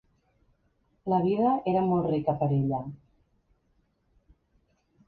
La vida era molt rica per a ella.